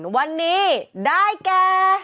วันนี้ได้แก่